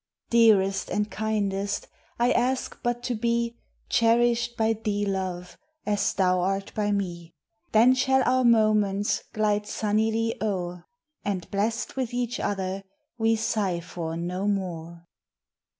Dearest and kindest, I ask but to be Cherished by thee love, As thou art by me; Then shall our moments Glide sunnily o'er. And blest with each other, We sigh for no more.